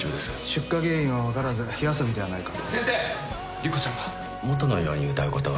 出火原因が分からず火遊びではないかと。